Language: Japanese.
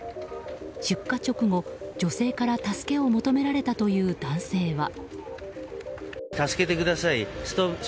出火直後、女性から助けを求められたという男性は。